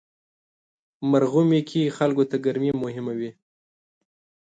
مرغومی کې خلکو ته ګرمي مهمه وي.